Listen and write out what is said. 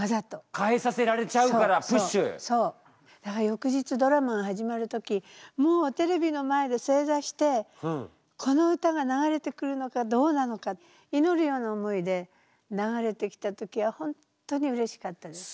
翌日ドラマが始まる時もうテレビの前で正座してこの歌が流れてくるのかどうなのかいのるような思いで流れてきた時は本当にうれしかったです。